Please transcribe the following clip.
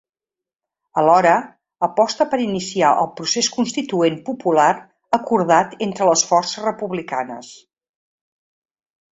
Alhora, aposta per iniciar el procés constituent popular ‘acordat entre les forces republicanes’.